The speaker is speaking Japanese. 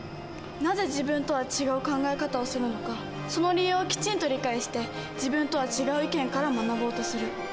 なぜ自分とは違う考え方をするのかその理由をきちんと理解して自分とは違う意見から学ぼうとする。